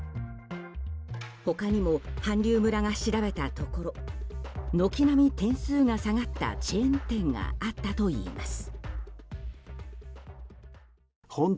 他にも韓流村が調べたところ軒並み点数が下がったチェーン店があったといいます。